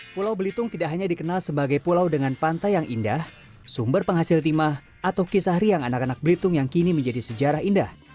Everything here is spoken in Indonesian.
pulau belitung tidak hanya dikenal sebagai pulau dengan pantai yang indah sumber penghasil timah atau kisah riang anak anak belitung yang kini menjadi sejarah indah